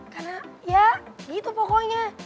karena ya gitu pokoknya